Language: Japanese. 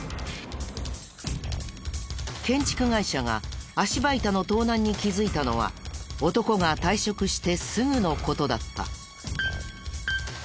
建築会社が足場板の盗難に気づいたのは男が退職してすぐの事だった。